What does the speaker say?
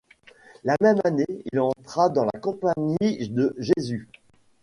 La même année il entra dans la Compagnie de Jésus.